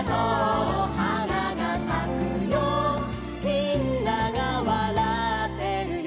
「みんながわらってるよ」